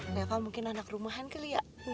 reva mungkin anak rumahan keliat